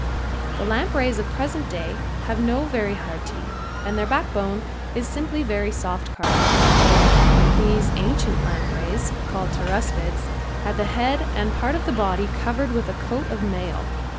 The lampreys of the present day have no very hard teeth and their backbone is simply very soft cartilage. These ancient lampreys, called Pteraspids, had the head and part of the body covered with a coat of mail.